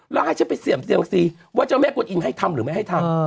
แล้วให้ฉันไปเสี่ยมเสี่ยงศรีว่าเจ้าแม่กุญอิ่มให้ทำหรือไม่ให้ทำ